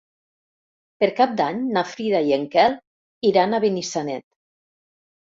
Per Cap d'Any na Frida i en Quel iran a Benissanet.